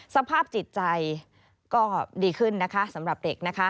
สภาพจิตใจก็ดีขึ้นนะคะสำหรับเด็กนะคะ